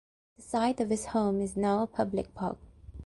The site of his home is now a public park.